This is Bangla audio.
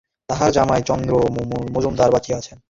তাহার জামাই চন্দ্র মজুমদার বাঁচিয়া আছেন।